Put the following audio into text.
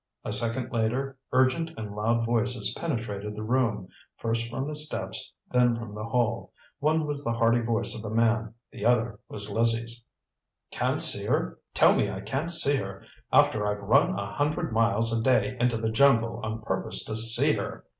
A second later urgent and loud voices penetrated the room, first from the steps, then from the hall. One was the hearty voice of a man, the other was Lizzie's. "Can't see her! Tell me I can't see her after I've run a hundred miles a day into the jungle on purpose to see her!